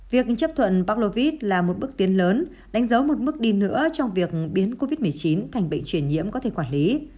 việc chấp thuận bác là một bước tiến lớn đánh dấu một bước đi nữa trong việc biến covid một mươi chín thành bệnh truyền nhiễm có thể quản lý